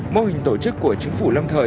mô hình tổ chức của chính phủ lâm thời